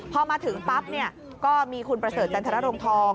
พอมาถึงปั๊บก็มีคุณประเสริฐจันทรรภ์โรงทอง